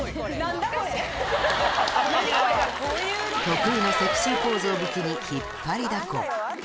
得意なセクシーポーズを武器に、引っ張りだこ。